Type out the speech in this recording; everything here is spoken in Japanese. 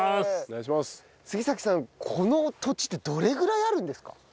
この土地ってどれぐらいあるんですか？